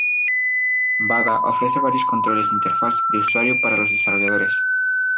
Bada ofrece varios controles de interfaz de usuario para los desarrolladores.